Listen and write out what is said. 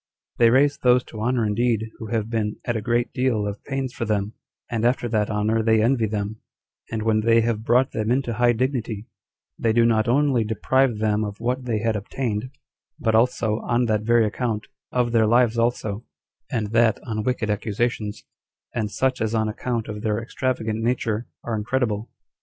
They raise those to honor indeed who have been at a great deal of pains for them, and after that honor they envy them; and when they have brought them into high dignity, they do not only deprive them of what they had obtained, but also, on that very account, of their lives also, and that on wicked accusations, and such as on account of their extravagant nature, are incredible.